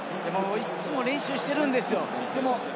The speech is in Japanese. いつも練習しているんですよ。